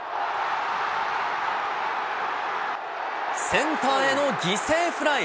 センターへの犠牲フライ。